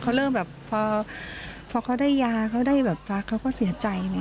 เขาเริ่มแบบพอเขาได้ยาเขาได้แบบพักเขาก็เสียใจ